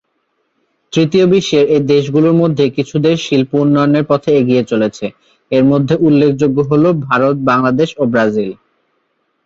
তৃতীয় বিশ্বের এই দেশগুলোর মধ্যে কিছু দেশ শিল্প উন্নয়নের পথে এগিয়ে চলেছে; এর মধ্যে উল্লেখযোগ্য হলো ভারত, বাংলাদেশ ও ব্রাজিল।